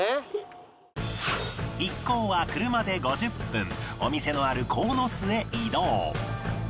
一行は車で５０分お店のある鴻巣へ移動